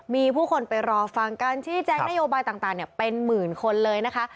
มีผู้คนไปรอฟังการชี้แจงนโยบายต่างเป็นหมื่นคนเลยนะคะ